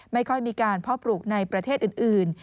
ไม่ค่อยมีการเพาะปลูกในประเทศอื่น